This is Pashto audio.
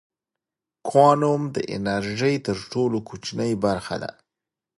کوانوم د انرژۍ تر ټولو کوچنۍ برخه ده.